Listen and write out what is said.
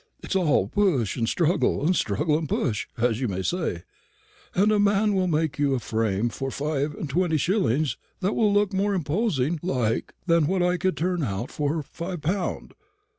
It's all push and struggle, and struggle and push, as you may say; and a man will make you a frame for five and twenty shillings that will look more imposing like than what I could turn out for five pound.